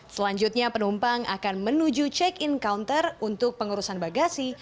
selanjutnya penumpang akan menuju check in counter untuk pengurusan bagasi